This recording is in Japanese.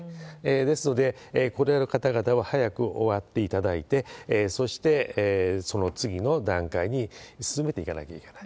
ですので、これらの方々は早く終わっていただいて、そして、その次の段階に進めていかなきゃいけない。